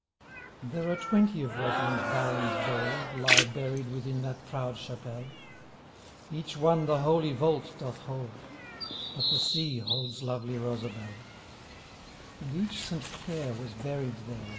There are twenty of Roslin^s barons bold Lie buried within that proud chapelie ; Each one the holy vault doth hold But the sea holds lovely Rosabelle ! And each St. Clair was buried there.